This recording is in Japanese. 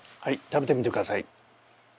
食べてみてください。